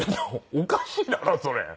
おかしいだろそれ。